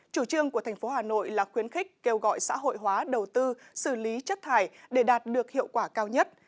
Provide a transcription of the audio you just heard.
chủ trương của thành phố hà nội là khuyến khích kêu gọi xã hội hóa đầu tư xử lý chất thải để đạt được hiệu quả cao nhất